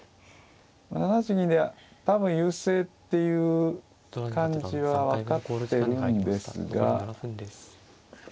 ７八銀で多分優勢っていう感じは分かってるんですが。